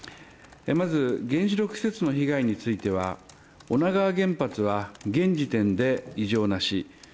まず、原子力施設の被害については、女川原発は現時点で異常なし。